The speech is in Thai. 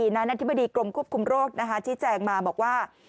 นาธิบดีกลุ่มควบคุมโรคที่แจ้งมาบอกว่า